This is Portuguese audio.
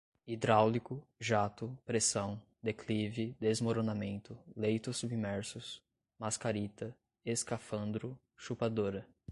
hidráulico, jato, pressão, declive, desmoronamento, leitos submersos, mascarita, escafandro, chupadora